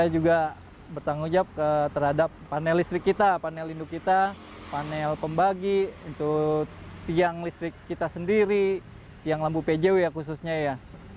juga bertanggung jawab terhadap panel listrik kita panel induk kita panel pembagi untuk tiang listrik kita sendiri tiang lampu pjw ya khususnya ya